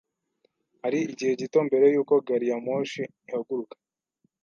Hari igihe gito mbere yuko gari ya moshi ihaguruka.